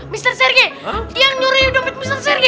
mr sergi dia yang nyuri dompet mr sergi